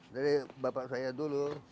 dari bapak saya dulu